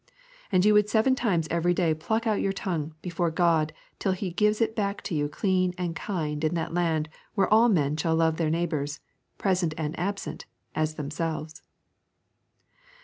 And you would seven times every day pluck out your tongue before God till He gives it back to you clean and kind in that land where all men shall love their neighbours, present and absent, as themselves.